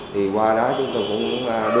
thì qua đó chúng tôi cũng đưa ra các nhận xét đánh giá